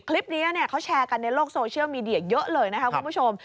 คลิปนี้เขาแชร์กันในโลกโซเชียลมีเดียเยอะเลยนะคะคุณผู้ชม